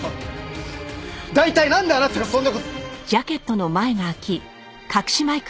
大体なんであなたがそんな事。